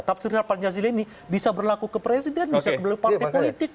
tafsirnya pancasila ini bisa berlaku ke presiden bisa ke partai politik